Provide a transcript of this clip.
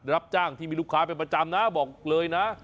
รับจ้างที่มีลูกค้าเป็นประจำนะบอกเลยนะ